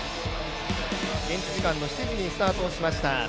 現地時間７時にスタートをしました。